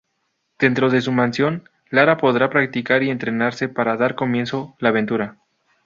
Dentro de su mansión Lara podrá practicar y entrenarse para dar comienzo la aventura.